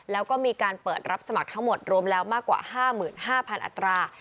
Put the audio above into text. แล้วก็มีการเปิดรับสมัครทั้งหมดรวมแล้วมากกว่า๕๕๐๐อัตรา